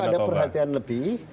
itu ada perhatian lebih